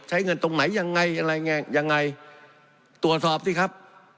ใช้เงินตรงไหนอย่างไรอย่างไรตรวจสอบสิครับ